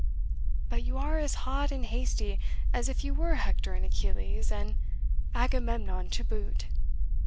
But you are as hot and hasty, as if you were Hector and Achilles, and Agamemnon to boot."